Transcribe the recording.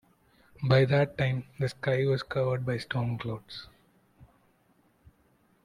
By that time, the sky was covered by storm clouds.